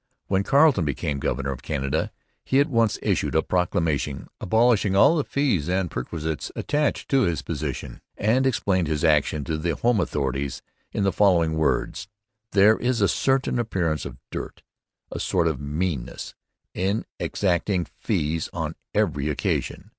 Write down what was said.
When Carleton became governor of Canada he at once issued a proclamation abolishing all the fees and perquisites attached to his position and explained his action to the home authorities in the following words: 'There is a certain appearance of dirt, a sort of meanness, in exacting fees on every occasion.